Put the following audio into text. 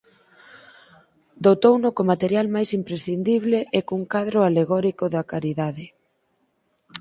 Dotouno co material máis imprescindible e cun cadro alegórico da caridade.